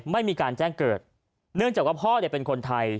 ไม่มีการแจ้งเกิดเนื่องจากว่าพ่อเป็นคนไทย